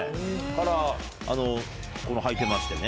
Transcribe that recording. はいてましてね。